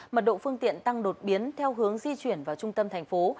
mật độ phương tiện tăng đột biến theo hướng di chuyển vào trung tâm thành phố